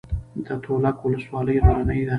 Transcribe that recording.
د تولک ولسوالۍ غرنۍ ده